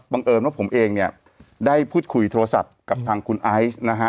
เอิญว่าผมเองเนี่ยได้พูดคุยโทรศัพท์กับทางคุณไอซ์นะฮะ